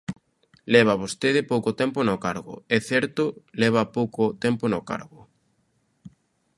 Leva vostede pouco tempo no cargo, é certo, leva pouco tempo no cargo.